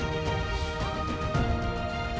jadi untuk mereka vol romans saya butuh